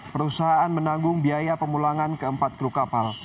perusahaan menanggung biaya pemulangan ke empat kru kapal